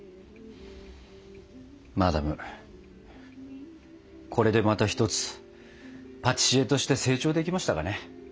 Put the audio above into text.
マダムこれでまた一つパティシエとして成長できましたかね。